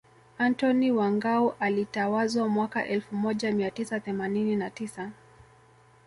Antony wa Ngao alitawazwa mwaka elfu moja mia tisa themanini na tisa